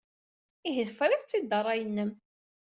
Ihi, tefriḍ-tt-id ed ṛṛay-nnem?